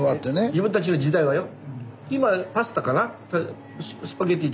自分たちの時代はよ。